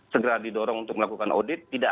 segera didorong untuk melakukan audit tidak